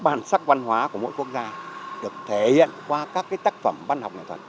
bản sắc văn hóa của mỗi quốc gia được thể hiện qua các cái tác phẩm văn học này toàn